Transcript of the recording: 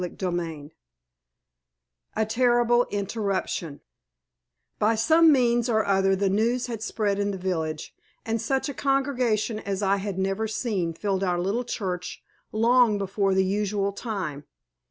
CHAPTER IX A TERRIBLE INTERRUPTION By some means or other the news had spread in the village, and such a congregation as I had never seen filled our little church long before the usual time.